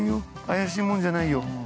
怪しい者じゃないよ。